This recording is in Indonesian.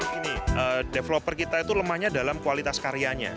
gini developer kita itu lemahnya dalam kualitas karyanya